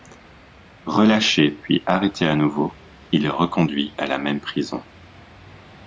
Relâché puis arrêté à nouveau, il est reconduit à la même prison.